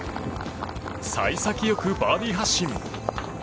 幸先よくバーディー発進。